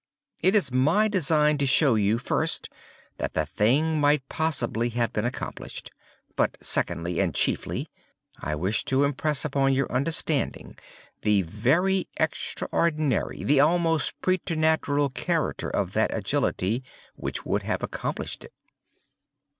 It is my design to show you, first, that the thing might possibly have been accomplished:—but, secondly and chiefly, I wish to impress upon your understanding the very extraordinary—the almost præternatural character of that agility which could have accomplished it.